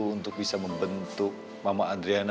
untuk bisa membentuk mama adriana